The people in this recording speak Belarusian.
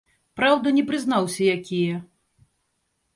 Праўда, не прызнаўся якія.